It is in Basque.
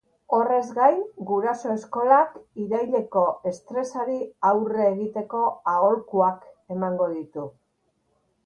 Horez gain, guraso eskolak iraileko estresari aurre egiteko aholkuak emango ditu.